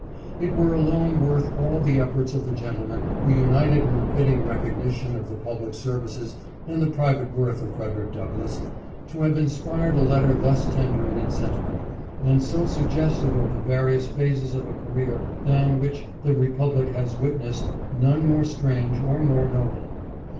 "It were alone worth all the efforts of the gentlemen who united in the fitting recognition of the public services and the private worth of Frederick Douglass, to have inspired a letter thus tender in its senti ment, and so suggestive of the various phases of a career than which the republic has witnessed none more strange or more noble.